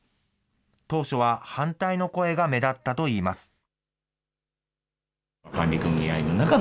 当初は反対の声が目立ったといいます。